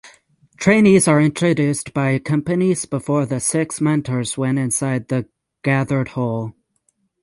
Trainees are introduced by companies before the six mentors went inside the gathered hall.